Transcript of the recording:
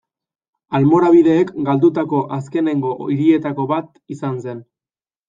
Almorabideek galdutako azkenengo hirietako bat izan zen.